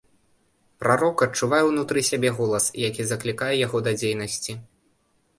Прарок адчувае ўнутры сябе голас, які заклікае яго да дзейнасці.